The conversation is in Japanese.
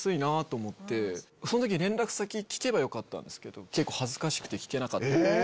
その時連絡先聞けばよかったんですけど結構恥ずかしくて聞けなかった。